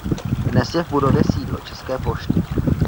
Dnes je v budově sídlo České pošty.